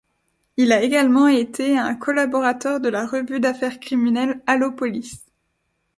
Il a également été un collaborateur de la revue d'affaires criminelles Allô Police.